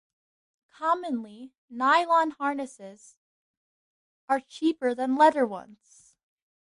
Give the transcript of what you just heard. Commonly, nylon harnesses are cheaper than leather ones.